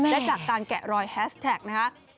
และจากการแกะรอยแฮสแท็กนะคะ